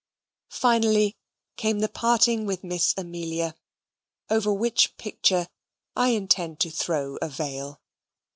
Finally came the parting with Miss Amelia, over which picture I intend to throw a veil.